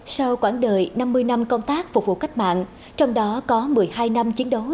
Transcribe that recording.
sau quãng đời năm mươi năm công tác phục vụ cách mạng trong đó có một mươi hai năm chiến đấu